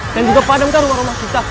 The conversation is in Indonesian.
dan juga padamkan warung kita